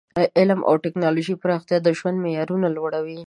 د علم او ټکنالوژۍ پراختیا د ژوند معیارونه لوړوي.